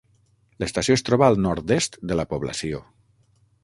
L'estació es troba al nord-oest de la població.